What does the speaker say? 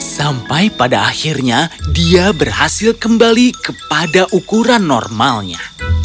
sampai pada akhirnya dia berhasil kembali kepada ukuran normalnya